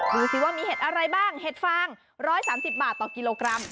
ดูสิว่ามีเห็ดอะไรบ้างเห็ดฟาง๑๓๐บาทต่อกิโลกรัม